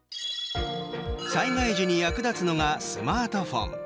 災害時に役立つのがスマートフォン。